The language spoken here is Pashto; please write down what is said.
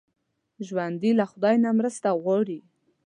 ژوندي له خدای نه مرسته غواړي